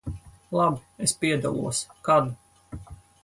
Labi, es piedalos. Kad?